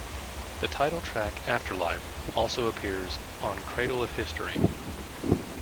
The title track, "Afterlife", also appears on "Cradle of History".